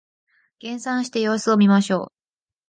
減産して様子を見ましょう